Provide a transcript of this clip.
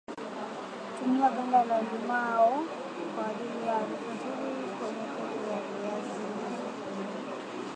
tumia ganda la limao kwa ajili ya harufu nzuri kwenye keki ya viazi li